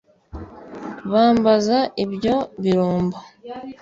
Bambaza ibyo birumbo